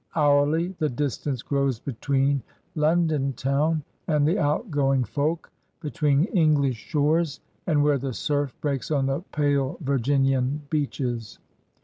Hoiirly the distance grows between London town and the out going folk, between Eng lish shores and where the surf breaks on the pale Virginian beaches.